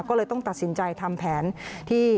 ก็เลยต้องตัดสินใจทำแผนที่